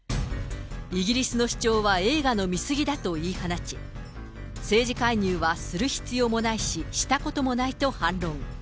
イギリスの主張は映画の見過ぎだと言い放ち、政治介入はする必要もないし、したこともないと反論。